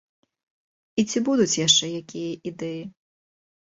І ці будуць яшчэ якія ідэі?